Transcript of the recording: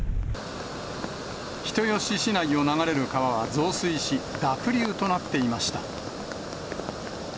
人吉市内を流れる川は増水し、濁流となっていました。